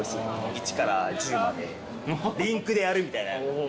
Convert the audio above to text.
１から１０までリンクでやるみたいな。